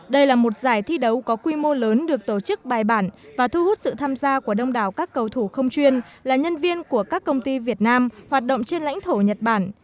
đây là một giải thi đấu có quy mô lớn được tổ chức bài bản và thu hút sự tham gia của đông đảo các cầu thủ không chuyên là nhân viên của các công ty việt nam hoạt động trên lãnh thổ nhật bản